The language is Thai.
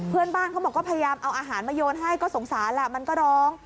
เพื่อนบ้านเขาบอกก็พยายามเอาอาหารมาโยนให้ก็สงสารแหละมันก็ร้อง